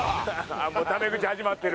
もうタメ口始まってる。